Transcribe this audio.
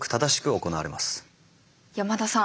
山田さん。